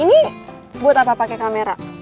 ini buat apa pakai kamera